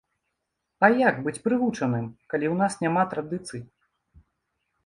А як быць прывучаным, калі ў нас няма традыцый?